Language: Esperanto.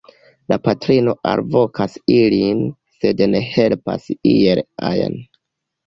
La patrino alvokas ilin, sed ne helpas iel ajn.